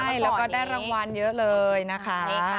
ใช่แล้วก็ได้รางวัลเยอะเลยนะคะ